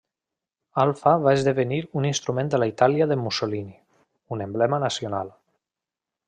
Alfa va esdevenir un instrument de la Itàlia de Mussolini, un emblema nacional.